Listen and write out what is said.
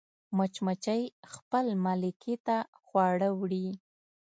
مچمچۍ خپل ملکې ته خواړه وړي